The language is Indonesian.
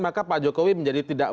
maka pak jokowi menjadi tidak